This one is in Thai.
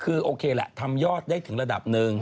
คือโอเคแหละทำยอดได้ถึงระดับหนึ่ง